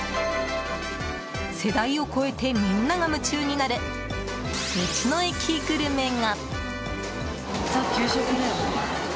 世代を超えてみんなが夢中になる道の駅グルメが。